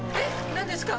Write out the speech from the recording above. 何ですか？